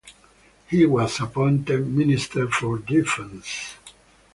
He was appointed Minister for Defence.